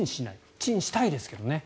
チンしたいですけどね。